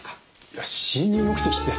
いや侵入目的って。